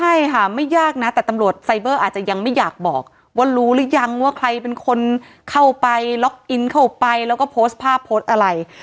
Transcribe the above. ใช่ค่ะไม่ยากนะแต่ตำรวจไซเบอร์อาจจะยังไม่อยากบอกว่ารู้หรือยังว่าใครเป็นคนเข้าไปล็อกอินเข้าไปแล้วก็โพสต์ภาพโพสต์อะไร